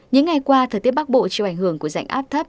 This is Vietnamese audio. những ngày qua thời tiết bắc bộ chịu ảnh hưởng của rãnh áp thấp